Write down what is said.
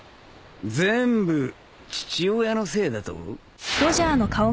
全部父親のせいだと？